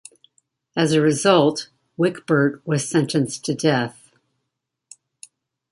As a result Wickbert was sentenced to death.